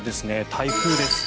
台風です。